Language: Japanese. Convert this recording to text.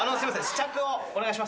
試着をお願いします。